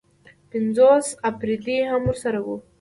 پنځوس اپرېدي هم ورسره وو.